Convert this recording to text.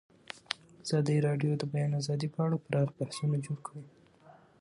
ازادي راډیو د د بیان آزادي په اړه پراخ بحثونه جوړ کړي.